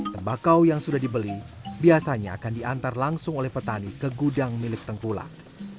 tembakau yang sudah dibeli biasanya akan diantar langsung oleh petani ke gudang milik tengkulak